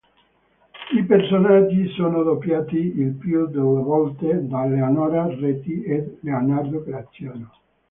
I personaggi sono doppiati il più delle volte da Eleonora Reti ed Leonardo Graziano.